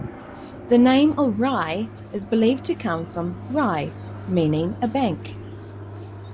The name of Rye is believed to come from "rie" meaning a bank.